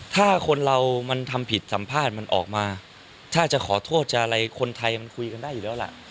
ถ้าคนเรามันทำผิดสัมภาษณ์มันออกมาถ้าจะขอโทษจะอะไรคนไทยมันคุยกันได้อยู่แล้วล่ะ